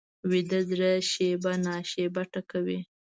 ویده زړه شېبه نا شېبه ټکوي